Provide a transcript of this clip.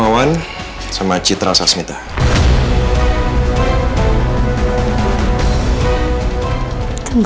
rasanya perasaan aklik